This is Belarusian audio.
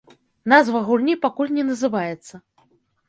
Назва гульні пакуль не называецца.